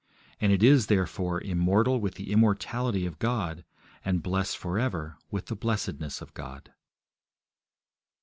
And it is, therefore, immortal with the immortality of God, and blessed for ever with the blessedness of God.